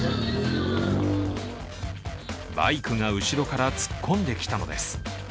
バイクが後ろから突っ込んできたのです。